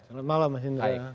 selamat malam mas hindra